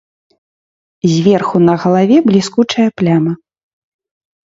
Зверху на галаве бліскучая пляма.